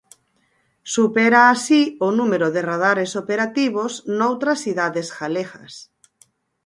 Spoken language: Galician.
Supera así o número de radares operativos noutras cidades galegas.